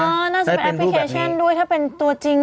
น่าจะเป็นแอปพลิเคชันด้วยถ้าเป็นตัวจริง